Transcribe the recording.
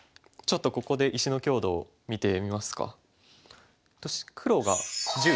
ちょっとここで石の強度を見てみますか。